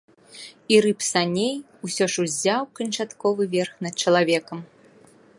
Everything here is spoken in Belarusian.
І рып саней усё ж узяў канчатковы верх над чалавекам.